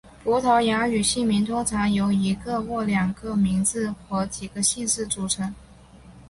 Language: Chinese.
葡萄牙语姓名通常由一个或两个名字和几个姓氏组成。